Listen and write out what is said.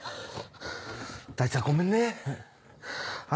ダイちゃんごめんね。